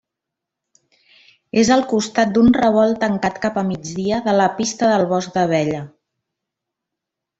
És al costat d'un revolt tancat cap a migdia de la pista del Bosc d'Abella.